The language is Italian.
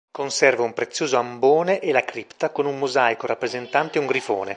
Conserva un prezioso ambone e la cripta con un mosaico rappresentante un grifone.